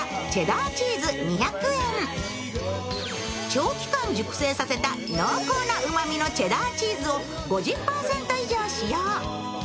長期間熟成させた濃厚なうまみのチェダーチーズを５０％以上使用。